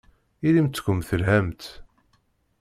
Ilimt-kent telhamt.